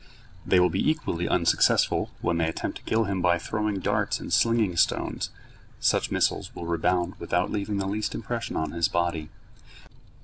They will be equally unsuccessful when they attempt to kill him by throwing darts and slinging stones; such missiles will rebound without leaving the least impression on his body.